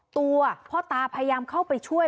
ตัวพ่อตาพยายามเข้าไปช่วย